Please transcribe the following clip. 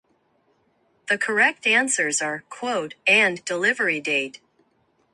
The correct answers are "quote" and "delivery date".